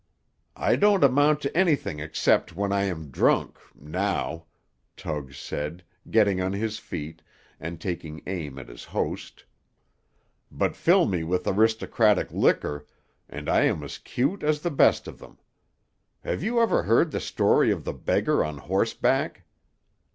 "I don't amount to anything except when I am drunk now," Tug said, getting on his feet, and taking aim at his host, "but fill me with aristocratic liquor, and I am as cute as the best of them. Have you ever heard the story of the beggar on horseback?